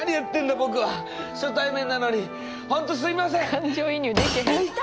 僕は初対面なのにホントすいません！